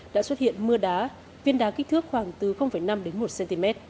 đã xuất hiện mưa đá viên đá kích thước khoảng từ năm đến một cm